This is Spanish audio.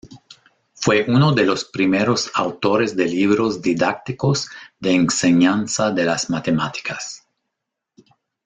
Fue uno de los primeros autores de libros didácticos de enseñanza de las matemáticas.